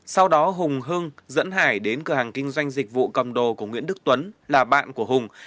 sau đó hùng hưng dẫn hải đến cửa hàng kinh doanh dịch vụ cầm đồ của nguyễn đức tuấn là bạn của hùng